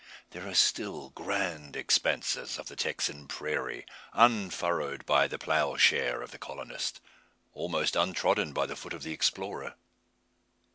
There are still grand expanses of the Texan prairie unfurrowed by the ploughshare of the colonist almost untrodden by the foot of the explorer.